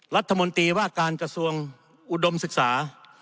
รัฐมนตรีว่าการกระทรวงอุดมศึกษา